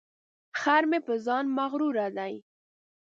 خر مې په ځان مغروره دی.